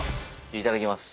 いただきます。